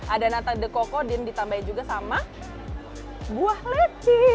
ada nata de coco dan ditambah juga sama buah leci